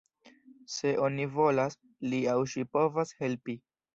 Se oni volas, li aŭ ŝi povas helpi.